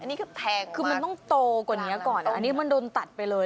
อันนี้คือแทงคือมันต้องโตกว่านี้ก่อนอันนี้มันโดนตัดไปเลย